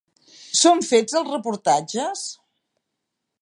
Són fets els reportatges?